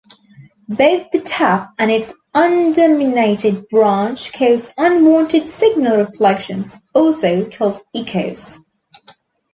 Both the tap and its unterminated branch cause unwanted signal reflections, also called echoes.